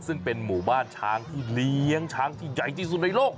ซึ่งเป็นหมู่บ้านช้างที่เลี้ยงช้างที่ใหญ่ที่สุดในโลก